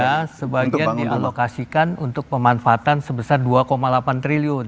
karena dana sebagian dialokasikan untuk pemanfaatan sebesar dua delapan triliun